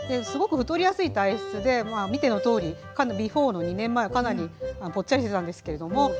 すごく太りやすい体質で見てのとおりＢｅｆｏｒｅの２年前はかなりぽっちゃりしてたんですけれども。